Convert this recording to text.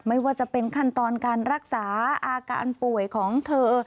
ไม่ว่าจะเป็นขั้นตอนการรักษาอาการป่วยของเธอ